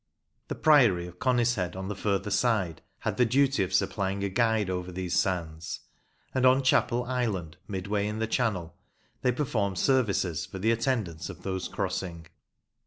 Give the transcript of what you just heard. The priory of Conishead, on the further side, had the duty of supplying a guide over these sands, and on Chapel Island, midway in the channel, they performed services for the attendance of those crossing.